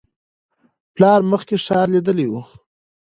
پلار مخکې ښار لیدلی و.